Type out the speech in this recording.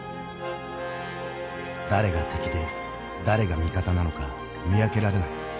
「誰が敵で誰が味方なのか見分けられない。